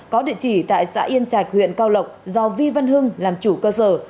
có địa chỉ tại xã yên chạch huyện cao lộc do vi văn hưng làm chủ cơ sở